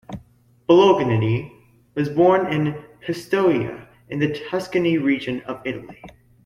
Bolognini was born in Pistoia, in the Tuscany region of Italy.